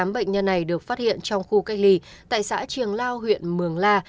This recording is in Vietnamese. tám bệnh nhân này được phát hiện trong khu cách ly tại xã triềng lao huyện mường la